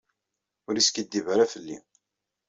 Ur yeskiddib ara fell-i.